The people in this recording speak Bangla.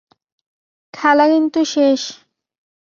খেলা কিন্তু শেষ!